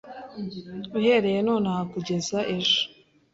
uhereye nonaha kugeza ejo